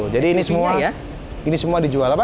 jadi ini semua ini semua dijual apa